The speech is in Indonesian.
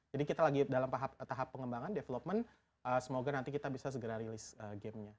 jadi kita lagi dalam tahap pengembangan development semoga nanti kita bisa segera rilis game nya